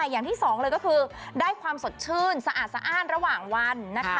อย่างที่สองเลยก็คือได้ความสดชื่นสะอาดสะอ้านระหว่างวันนะคะ